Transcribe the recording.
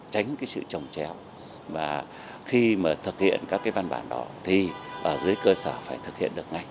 tránh cái sự trồng chéo và khi mà thực hiện các cái văn bản đó thì ở dưới cơ sở phải thực hiện được ngay